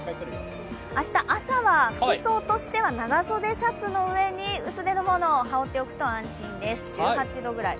明日朝は服装としては長袖シャツの上に薄手のものを羽織っておくと安心です、１８度くらい。